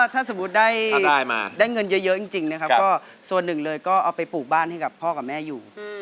ถ้าสมมุติได้เงินเยอะจริงนะครับก็ส่วนหนึ่งเลยก็เอาไปปลูกบ้านให้กับพ่อกับแม่อยู่